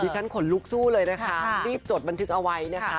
ฉันขนลุกสู้เลยนะคะรีบจดบันทึกเอาไว้นะคะ